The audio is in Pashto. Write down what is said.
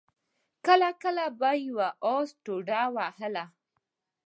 کله کله به يوه آس ټوډه ووهله.